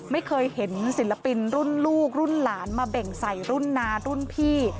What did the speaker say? ไม่เคยเห็นศิลปินรุ่นลูกรุ่นหลานมาเบ่งใส่รุ่นน้ารุ่นพี่